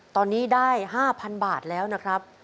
ตอนนี้ได้๕๐๐๐บาทแล้วนะครับ